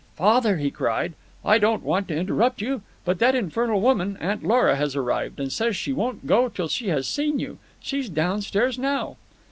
"Father," he cried, "I don't want to interrupt you, but that infernal woman, Aunt Lora, has arrived, and says she won't go till she has seen you. She's downstairs now."